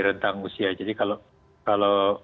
rentang usia jadi kalau